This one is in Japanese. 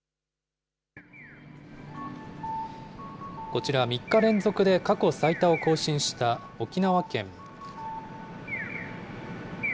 こちら、３日連続で過去最多を更新した沖縄県。